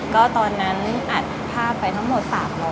ก็ตอนนั้นอัดภาพไปทั้งหมด๓๐๐